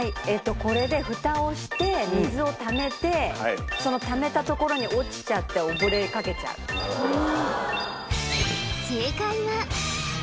これでフタをして水をためてそのためたところに落ちちゃって溺れかけちゃう正解は？